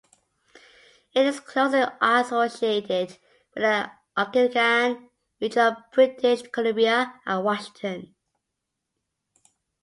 It is closely associated with the Okanagan region of British Columbia and Washington.